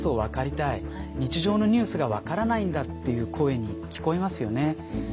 日常のニュースが分からないんだっていう声に聞こえますよね。